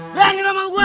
berani lu mau gue